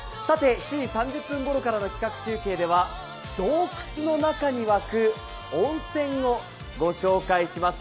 ７時３０分頃からの企画中継では洞窟の中に湧く温泉をご紹介します。